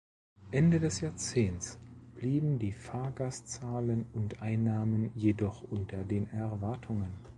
Ende des Jahrzehnts blieben die Fahrgastzahlen und Einnahmen jedoch unter den Erwartungen.